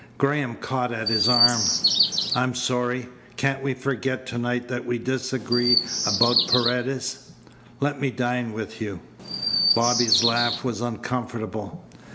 Graham caught at his arm. "I'm sorry. Can't we forget to night that we disagree about Paredes? Let me dine with you." Bobby's laugh was uncomfortable.